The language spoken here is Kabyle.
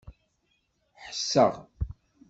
Ḥesseɣ.